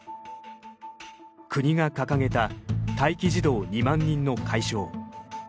国が掲げた待機児童２万人の解消。